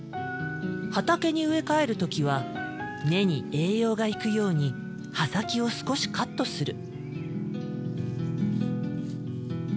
畑に植え替える時は根に栄養が行くように葉先を少しカットする。